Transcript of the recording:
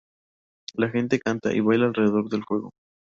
La gente canta y baila alrededor del fuego.